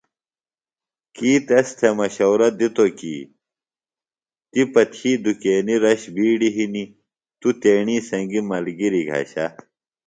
کی تس تھےۡ مشورہ دِتو کی تی پہ تھی دُکینیۡ رش بِیڈیۡ ہِنیۡ تُوۡ تیݨی سنگیۡ ملگِریۡ گھشہ